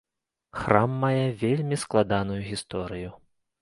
Храм мае вельмі складаную гісторыю.